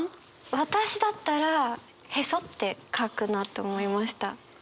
私だったら臍って書くなって思いました。